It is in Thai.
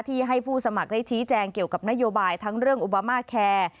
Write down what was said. ให้ผู้สมัครได้ชี้แจงเกี่ยวกับนโยบายทั้งเรื่องอุบามาแคร์